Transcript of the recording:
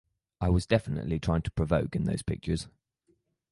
I was definitely trying to provoke in those pictures.